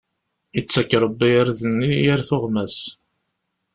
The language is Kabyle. Ittak Rebbi irden i yir tuɣmas.